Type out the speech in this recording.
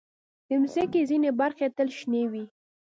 د مځکې ځینې برخې تل شنې وي.